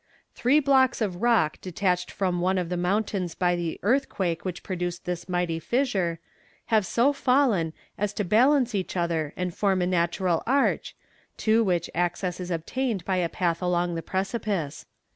Three blocks of rock detached from one of the mountains by the earthquake which produced this mighty fissure, have so fallen as to balance each other and form a natural arch, to which access is obtained by a path along the precipice.